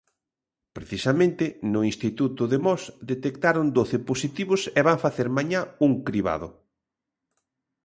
Precisamente no instituto de Mos detectaron doce positivos e van facer mañá un cribado.